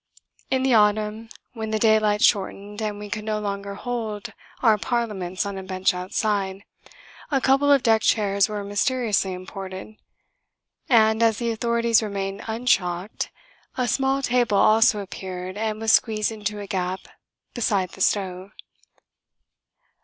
In the autumn, when the daylight shortened and we could no longer hold our parliaments on a bench outside, a couple of deck chairs were mysteriously imported; and, as the authorities remained unshocked, a small table also appeared and was squeezed into a gap beside the stove.